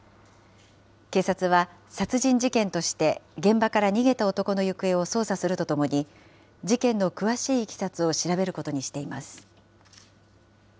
警察は、殺人事件として現場から逃げた男の行方を捜査するとともに、事件の詳しいいきさつを調べることにしています。